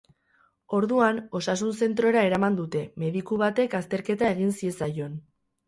Orduan, osasun zentrora eraman dute, mediku batek azterketa egin ziezaion.